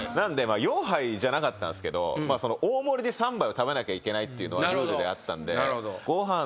４杯じゃなかったんすけど大盛りで３杯食べなきゃいけないっていうのはルールであったんで。